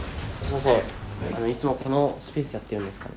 あのいつもこのスペースでやってるんですか？